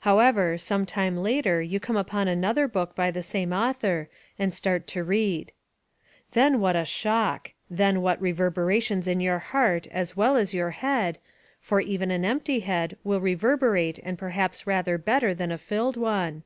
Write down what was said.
However, some time later you come upon another book by the same author and start to read. Then what a shock; then what reverberations in your heart as well as your head (for even an empty head will reverberate and perhaps rather better than a filled one).